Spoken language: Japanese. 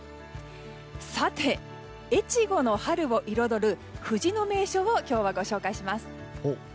さて、越後の春を彩る藤の名所を今日は、ご紹介します。